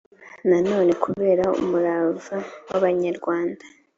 na none kubera umurava w abanyarwanda